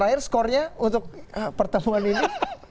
jadi trial skornya untuk pertemuan ini